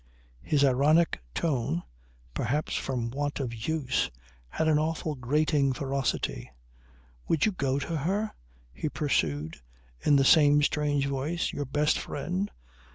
His ironic tone, perhaps from want of use, had an awful grating ferocity. "Would you go to her?" he pursued in the same strange voice. "Your best friend!